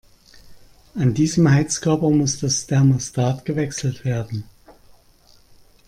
An diesem Heizkörper muss das Thermostat gewechselt werden.